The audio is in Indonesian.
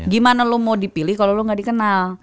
gimana lu mau dipilih kalau lu gak dikenal